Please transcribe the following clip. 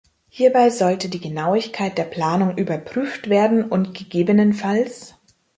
Hierbei sollte die Genauigkeit der Planung überprüft werden und ggf.